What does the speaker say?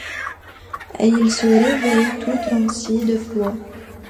Il se réveille tout transi de froid.